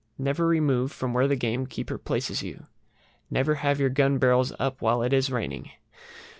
Never remove from where the gamekeeper places you. Never have your gun barrels up while it is raining.